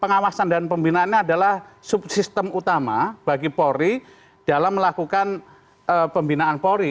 pengawasan dan pembinaannya adalah subsistem utama bagi polri dalam melakukan pembinaan polri